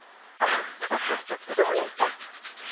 あそうでした。